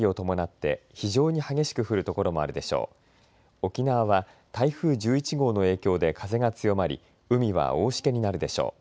沖縄は台風１１号の影響で風が強まり海は大しけになるでしょう。